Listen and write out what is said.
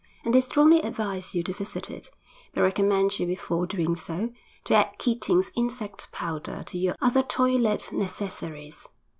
And they strongly advise you to visit it, but recommend you before doing so to add Keating's insect powder to your other toilet necessaries.